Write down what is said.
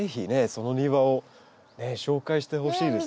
その庭を紹介してほしいですね。